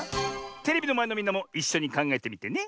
テレビのまえのみんなもいっしょにかんがえてみてね。